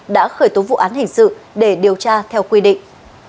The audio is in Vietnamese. đã khởi tố vụ án hình sự để điều tra theo quy định